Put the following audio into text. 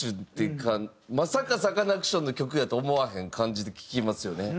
まさかサカナクションの曲やと思わへん感じで聴きますよね。